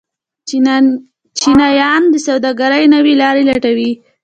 چینایان د سوداګرۍ نوې لارې لټوي.